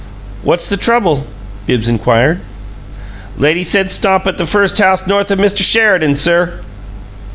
"What's the trouble?" Bibbs inquired. "Lady said stop at the first house north of Mr. Sheridan's, sir."